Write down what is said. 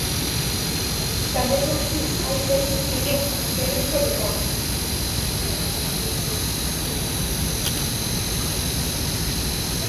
Tamén aquí hai quen di que non, que non chove tanto.